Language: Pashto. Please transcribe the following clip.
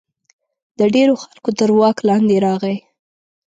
د ډېرو خلکو تر واک لاندې راغی.